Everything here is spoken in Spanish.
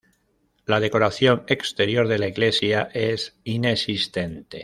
La decoración exterior de la iglesia es inexistente.